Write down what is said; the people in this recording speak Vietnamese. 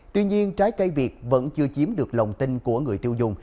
tuy nhiên trái cây việt vẫn chưa chiếm được lòng tin của người tiêu dùng